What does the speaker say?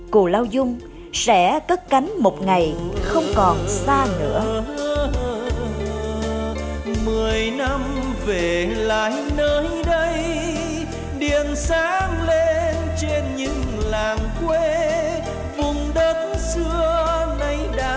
cù lao dung sẽ cất cánh một ngày không còn xa nữa